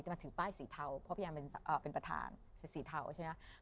มาถือป้ายสีเทาเพราะพยายามเป็นประธานสีเทาใช่ไหม